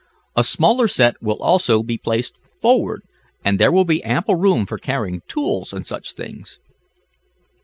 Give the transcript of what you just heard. A smaller set will also be placed forward, and there will be ample room for carrying tools and such things."